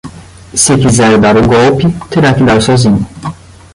Se quiser dar o golpe, terá que dar sozinho